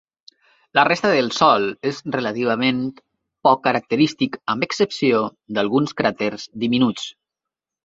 La resta del sòl és relativament poc característic, amb excepció d'alguns cràters diminuts.